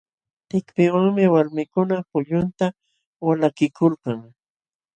Tikpiwanmi walmikuna pullunta walaklikulkan.